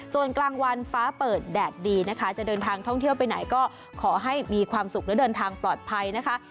ส่วนกลางวันฟ้าเปิดแดดดีนะคะจะเดินทางท่องเที่ยวไปไหนก็ขอให้มีความสุขและเดินทางปลอดภัยนะคะ